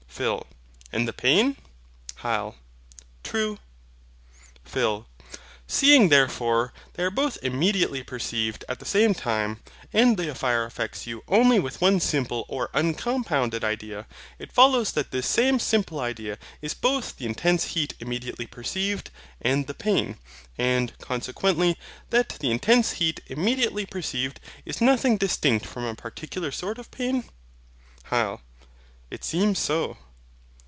PHIL. And the pain? HYL. True. PHIL. Seeing therefore they are both immediately perceived at the same time, and the fire affects you only with one simple or uncompounded idea, it follows that this same simple idea is both the intense heat immediately perceived, and the pain; and, consequently, that the intense heat immediately perceived is nothing distinct from a particular sort of pain. HYL. It seems so.